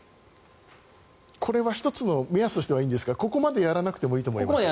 これは１つの目安としてはいいんですがここまでやらなくてもいいと思います。